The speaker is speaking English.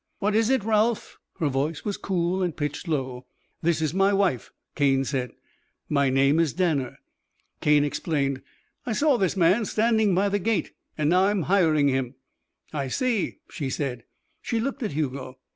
"What is it, Ralph?" Her voice was cool and pitched low. "This is my wife," Cane said. "My name is Danner." Cane explained. "I saw this man standing by the gate, and now I'm hiring him." "I see," she said. She looked at Hugo.